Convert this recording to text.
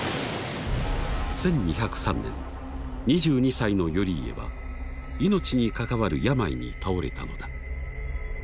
１２０３年２２歳の頼家は命に関わる病に倒れたのだ。